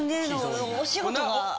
お仕事が。